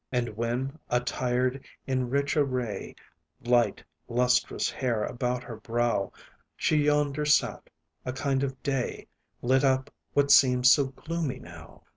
And when attired in rich array, Light, lustrous hair about her brow, She yonder sat, a kind of day Lit up what seems so gloomy now.